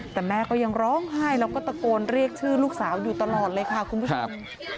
แต่แม่ก็ยังร้องไห้แล้วก็ตะโกนเรียกชื่อลูกสาวอยู่ตลอดเลยค่ะคุณผู้ชม